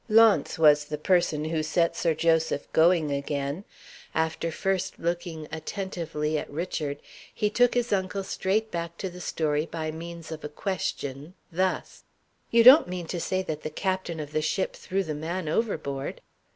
Launce was the person who set Sir Joseph going again. After first looking attentively at Richard, he took his uncle straight back to the story by means of a question, thus: "You don't mean to say that the captain of the ship threw the man overboard?"